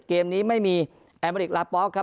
เกมนี้ไม่มีแอลเมอริกลาปอล์